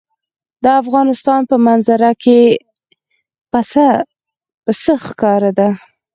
د افغانستان په منظره کې پسه ښکاره ده.